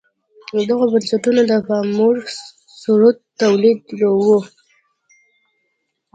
دغو بنسټونو د پاموړ ثروت تولیداوه.